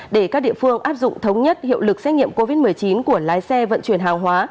để các địa phương áp dụng thống nhất hiệu lực xét nghiệm covid một mươi chín của lái xe vận chuyển hàng hóa